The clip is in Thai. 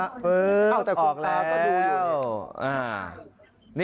อ้าวแต่คุณตาก็ดูอยู่นี่